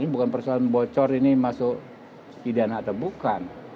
bukan perusahaan bocor ini masuk di dana atau bukan